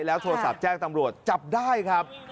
โทรศัพท์แจ้งตำรวจจับได้ครับ